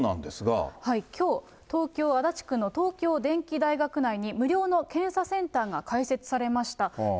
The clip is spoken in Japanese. きょう、東京・足立区の東京電機大学内に無料の検査センターが開設されました。